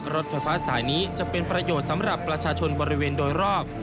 รถไฟฟ้าสายนี้จะเป็นประโยชน์สำหรับประชาชนบริเวณโดยรอบ